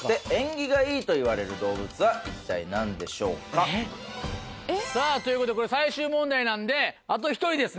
それではさぁということでこれ最終問題なんであと１人ですね。